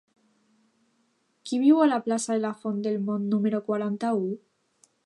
Qui viu a la plaça de la Font del Mont número quaranta-u?